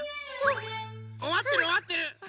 おわってるおわってる。